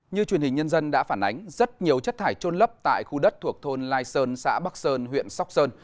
như truyền hình nhân dân đã phản ánh rất nhiều chất thải trôn lấp tại khu đất thuộc thôn lai sơn xã bắc sơn huyện sóc sơn